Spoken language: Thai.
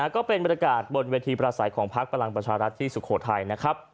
ก็เป็นบรรยากาศบนเวทีประสัยของพักพลังประชารัฐที่สุโขทัยนะครับ